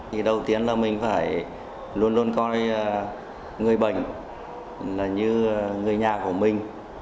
thì đầu tiên là mình phải luôn luôn coi người bệnh như người nhà của mình